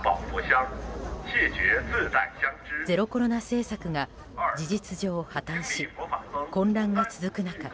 ゼロコロナ政策が事実上破綻し混乱が続く中